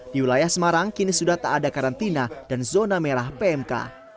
di wilayah semarang kini sudah tak ada karantina dan zona merah pmk